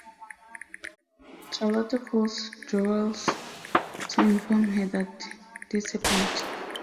Charlotte calls Dolores to inform her that this happened.